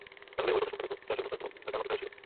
তাহলে ঐ কথা শুনতে পেতো, যার জন্য তার কান অপেক্ষায় ছিলো!